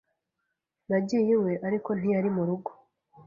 Nagiye iwe, ariko ntiyari mu rugo.